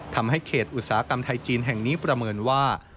ทำให้เขตอุตสาหกรรมไทยจีนแห่งนี้ประเมินว่า